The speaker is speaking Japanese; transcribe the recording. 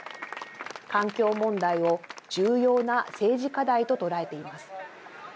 環境問題を重要な政治課題と捉えています。